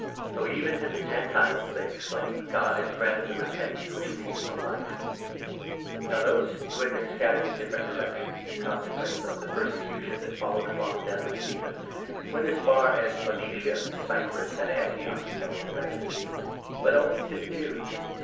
"So even to the Gentiles," they ex claimed, "God has granted the repentance which leads to Life !" 'Christians' Now those who had been scattered in different 19 atAntioch. directions, in consequence of the persecution that followed upon the death of Stephen, went as far as Phoenicia, Cyprus, and Antioch, telling the Message — but only to Jews.